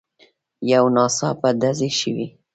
يو ناڅاپه ډزې شوې.